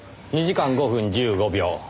２時間５分１５秒。